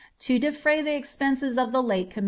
to defray the expenses of the Intr en.